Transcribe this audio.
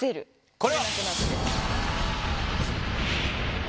これは？